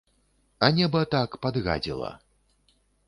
А неба так падгадзіла.